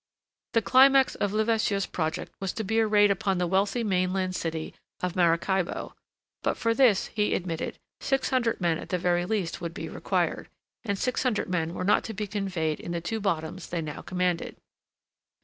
The climax of Levasseur's project was to be a raid upon the wealthy mainland city of Maracaybo; but for this, he admitted, six hundred men at the very least would be required, and six hundred men were not to be conveyed in the two bottoms they now commanded.